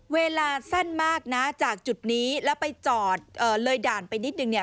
เวลาสั้นมากนะจากจุดนี้แล้วไปจอดเลยด่านไปนิดนึงเนี่ย